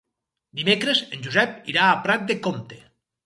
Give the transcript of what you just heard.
Dimecres en Josep irà a Prat de Comte.